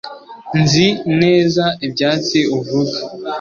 Nzi neza ibyatsi uvuga